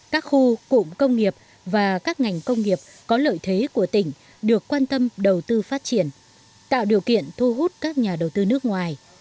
các khu cụm công nghiệp và các ngành công nghiệp có lợi thế của tỉnh được quan tâm đầu tư phát triển tạo điều kiện thu hút các nhà đầu tư nước ngoài